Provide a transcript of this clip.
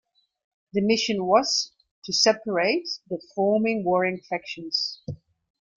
The mission was to separate the forming warring factions.